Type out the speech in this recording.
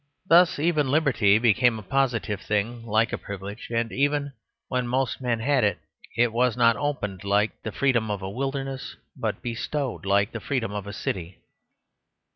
Thus even liberty became a positive thing like a privilege; and even, when most men had it, it was not opened like the freedom of a wilderness, but bestowed, like the freedom of a city.